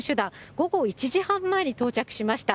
午後１時半前に到着しました。